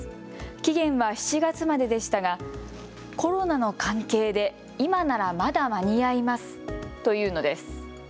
期限は７月まででしたがコロナの関係で今ならまだ間に合いますと言うのです。